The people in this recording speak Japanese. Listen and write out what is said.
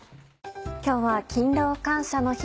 今日は勤労感謝の日。